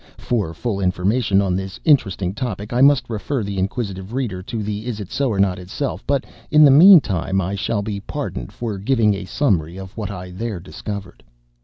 For full information on this interesting topic, I must refer the inquisitive reader to the "Isitsöornot" itself; but in the meantime, I shall be pardoned for giving a summary of what I there discovered.